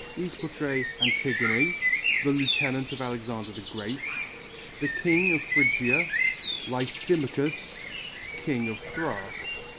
These portray Antigone, the lieutenant of Alexander the Great, the king of Phrygia, Lysimachus, king of Thrace.